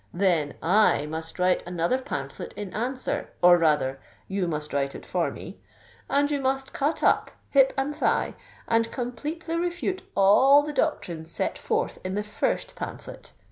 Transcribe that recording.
Then I must write another pamphlet in answer—or rather, you must write it for me; and you must cut up, hip and thigh, and completely refute all the doctrines set forth in the first pamphlet.